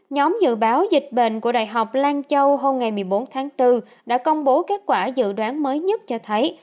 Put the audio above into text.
nhóm dự báo dịch bệnh của đại học lan châu hôm ngày một mươi bốn tháng bốn đã công bố kết quả dự đoán mới nhất cho thấy